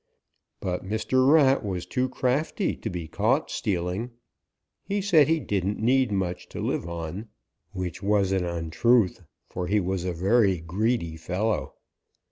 But Mr. Rat was too crafty to be caught stealing. He said he didn't need much to live on, which was an untruth, for he was a very greedy fellow.